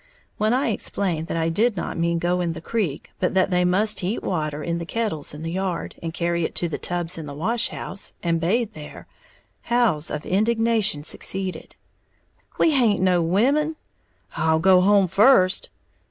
When I explained that I did not mean go in the creek, but that they must heat water in the kettles in the yard, and carry it to the tubs in the wash house, and bathe there, howls of indignation succeeded. "We haint no women!", "I'll go home first!"